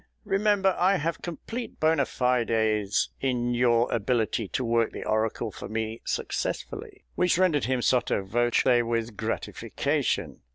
Remember, I have complete bonâ fides in your ability to work the oracle for me successfully." Which rendered him sotto voce with gratification.